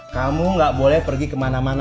kamu gak boleh pergi kemana mana